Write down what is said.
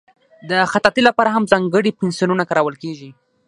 د خطاطۍ لپاره هم ځانګړي پنسلونه کارول کېږي.